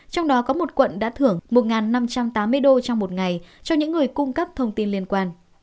trong đó có một quận đã thưởng một năm trăm tám mươi đô trong một ngày cho những người cung cấp thông tin liên quan